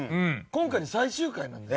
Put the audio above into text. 今回で最終回なんです。